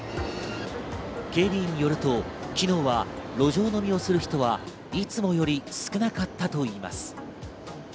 警備員によると、昨日は路上飲みをする人はいつもより少なかったといいます。